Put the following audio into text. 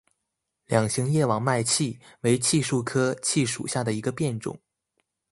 两型叶网脉槭为槭树科槭属下的一个变种。